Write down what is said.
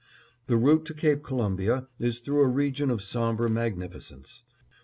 The route to Cape Columbia is through a region of somber magnificence.